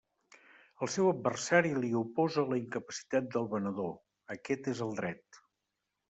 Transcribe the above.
El seu adversari li oposa la incapacitat del venedor; aquest és el dret.